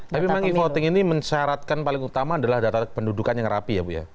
tapi memang e voting ini mensyaratkan paling utama adalah data kependudukan yang rapi ya bu ya